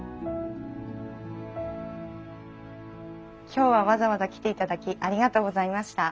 今日はわざわざ来ていただきありがとうございました。